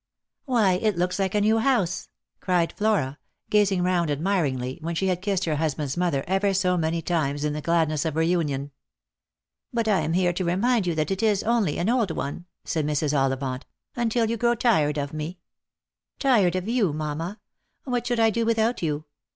" Why, it looks like a new house !" cried Flora, gazing round admiringly, when she had kissed her husband's mother ever so many times in the gladness of reunion. Lost for Love. 257 "But I am here to remind you that it is only an old one," said Mrs. Ollivant; " until you grow tired of me." '• Tired of yon, mamma! What should I do without you?